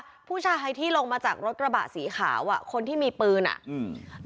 ขอดูภาพคลิปที่เห็นรถคันสีเทาแล้วก็มีคนเดินมาที่รถสีเทาหน่อยได้ไหม